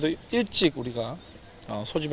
dan kami juga ingin menikmati pertandingan